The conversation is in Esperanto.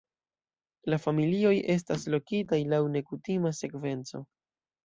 La familioj estas lokitaj laŭ nekutima sekvenco.